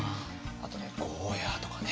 あとねゴーヤーとかね。